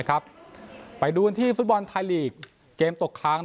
ไปดูกันที่ฟุตบอลไทยลีกเกมตกค้าง